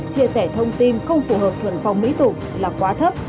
chia sẻ thông tin không phù hợp thuần phong mỹ tục là quá thấp